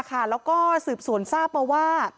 แล้วก็สืบสวนทราบมาว่า